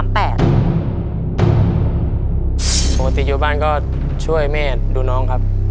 ปกติอยู่บ้านก็ช่วยแม่ดูน้องครับ